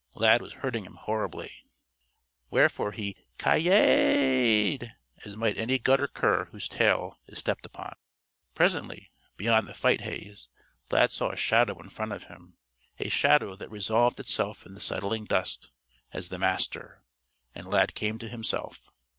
Lad was hurting him horribly. Wherefore he ki yi ed as might any gutter cur whose tail is stepped upon. Presently, beyond the fight haze, Lad saw a shadow in front of him a shadow that resolved itself in the settling dust, as the Master. And Lad came to himself.